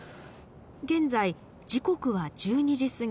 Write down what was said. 現在時刻は１２時過ぎ。